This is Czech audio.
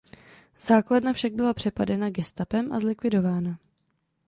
Základna však byla přepadena gestapem a zlikvidována.